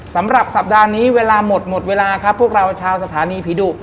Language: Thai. สำหรับสัปดาห์นี้เวลาหมดหมดเวลาครับพวกเราชาวสถานีผีดุ